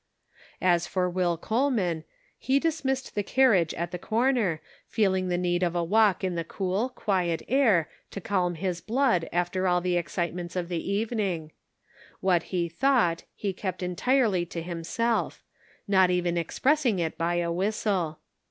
As for Will Coleman, he 282 The Pocket Measure. dismissed his carriage at the corner, feeling the need of a walk in the cool, quiet air to calm his blood after all the excitements of the evening. What he thought he kept entirely to himself, not even expressing it by a whistle.